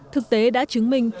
thực tế đã chứng minh